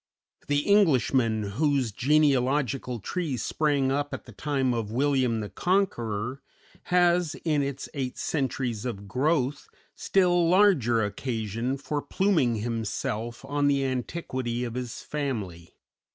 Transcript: The Englishman whose genealogical tree sprang up at the time of William the Conqueror has, in its eight centuries of growth, still larger occasion for pluming himself on the antiquity of his family.